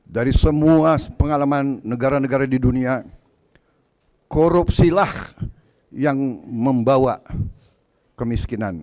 dari semua pengalaman negara negara di dunia korupsilah yang membawa kemiskinan